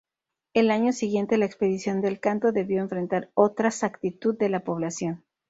El año siguiente la expedición del Canto debió enfrentar otras actitud de la población.